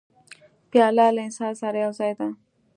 پیاله له انسان سره یو ځای ده.